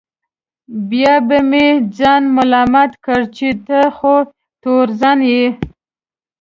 بیا به مې ځان ملامت کړ چې ته خو تورزن یې.